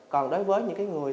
còn đối với những người